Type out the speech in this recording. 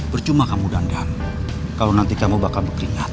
percuma kamu dandan kalau nanti kamu bakal berkeringat